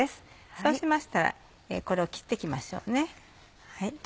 そうしましたらこれを切って行きましょう。